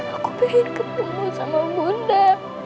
aku pengen ketemu sama bunda